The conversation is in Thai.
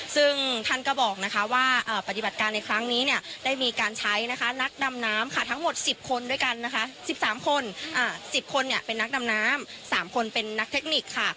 ซึ่งท่านก็บอกนะคะว่าปฏิบัติการในครั้งนี้เนี่ยได้มีการใช้นะคะนักดำน้ำค่ะทั้งหมด๑๐คนด้วยกันนะคะ๑๓คน๑๐คนเป็นนักดำน้ำ๓คนเป็นนักเทคนิคค่ะ